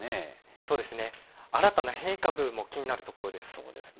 そうですね、新たな変異株も気になるところです。